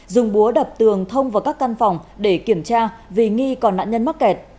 dùng búa đập tường thông vào các căn phòng để kiểm tra vì nghi còn nạn nhân mắc kẹt